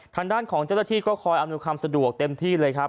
ทางด้านของเจ้าหน้าที่ก็คอยอำนวยความสะดวกเต็มที่เลยครับ